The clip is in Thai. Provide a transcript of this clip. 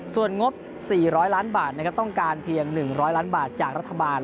ส่วนงบสี่ร้อยล้านบาทนะครับต้องการเพียงหนึ่งร้อยล้านบาทจากรัฐบาล